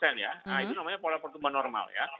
nah itu namanya pola pertumbuhan normal ya